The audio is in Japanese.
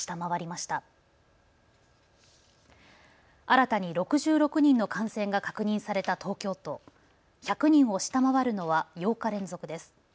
新たに６６人の感染が確認された東京都、１００人を下回るのは８日連続です。